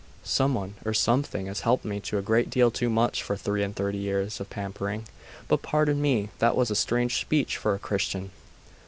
'Some one, or something, has helped me a great deal too much, for three and thirty years of pampering. But, pardon me, that was a strange speech for a Christian.